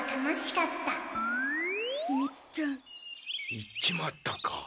行っちまったか。